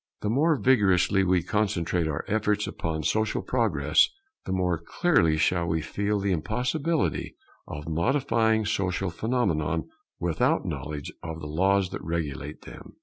The more vigorously we concentrate our efforts upon social progress, the more clearly shall we feel the impossibility of modifying social phenomena without knowledge of the laws that regulate them.